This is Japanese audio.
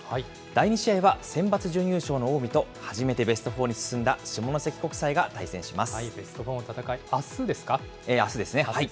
第２試合はセンバツ準優勝の近江と初めてベストフォーに進んだ下ベストフォーの戦い、あすであすですね。